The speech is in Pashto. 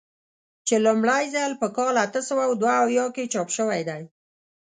چې لومړی ځل په کال اته سوه دوه اویا کې چاپ شوی دی.